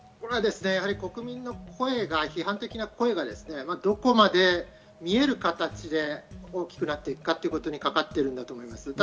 国民の声が、批判的な声が、どこまで見える形で大きくなっていくかということにかかっていると思います。